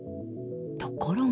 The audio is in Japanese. ところが。